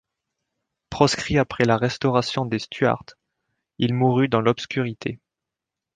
Proscrit après la restauration des Stuarts, il mourut dans l'obscurité.